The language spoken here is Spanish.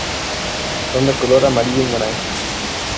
Son de color amarillo-naranja.